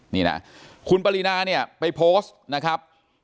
นี่นะคุณปรินาเนี่ยไปโพสต์นะครับ